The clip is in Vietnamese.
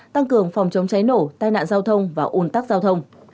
tăng cường phòng chống cháy nổ tai nạn giao thông và ủn tắc giao thông